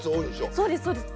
そうですそうです。